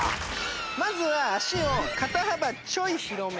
まずは足を肩幅ちょい広め。